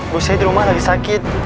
bu syed di rumah lagi sakit